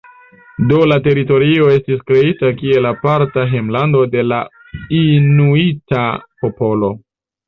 Do la teritorio estis kreita kiel aparta hejmlando de la inuita popolo.